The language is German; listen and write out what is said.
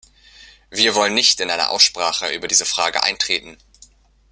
Wir wollen nicht in eine Aussprache über diese Frage eintreten.